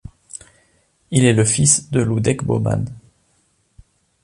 Il est le fils de Luděk Bohman.